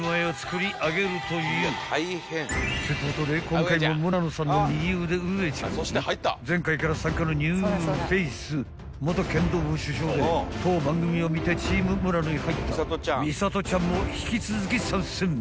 ［ってことで今回も村野さんの右腕ウエちゃんに前回から参加のニューフェース元剣道部主将で当番組を見てチーム村野に入ったミサトちゃんも引き続き参戦］